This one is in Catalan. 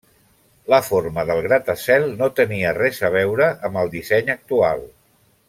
La forma del gratacel no tenia res a veure amb el disseny actual.